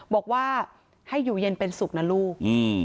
บอกว่าให้อยู่เย็นเป็นสุขนะลูก